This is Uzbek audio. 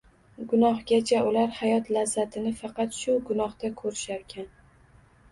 Gunohgacha ular hayot lazzatini faqat shu gunohda ko‘risharkan